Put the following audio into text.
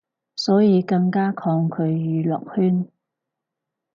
所以更加抗拒娛樂圈